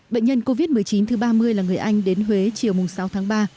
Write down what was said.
bệnh nhân covid một mươi chín thứ ba mươi là người anh đến huế chiều sáu tháng ba